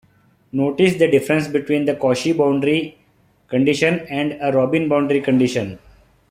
Notice the difference between a Cauchy boundary condition and a Robin boundary condition.